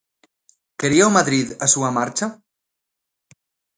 Quería o Madrid a súa marcha?